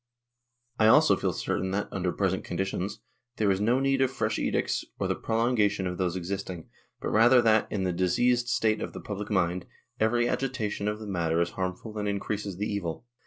"I also feel certain that, under present conditions, there is no need of fresh edicts or the prolongation of those existing, but rather that, in the diseased state of the public mind, every agitation of the matter is harmful and increases the evil.